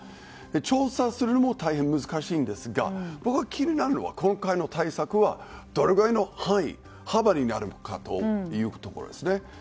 調査するのも大変難しいんですが僕が気になるのは今回の対策はどれぐらいの範囲幅になるかというところですね。